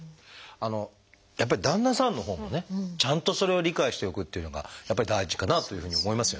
あの旦那さんのほうもねちゃんとそれを理解しておくっていうのがやっぱり第一かなというふうに思いますよね。